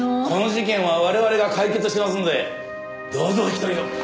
この事件は我々が解決しますのでどうぞお引き取りを。